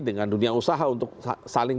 dengan dunia usaha untuk saling